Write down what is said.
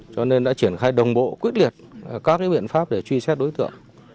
cho nên đã triển khai đồng bộ quyết liệt các biện pháp để truy xét đối tượng